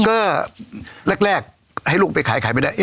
ก็แรกให้ลูกไปขายขายไม่ได้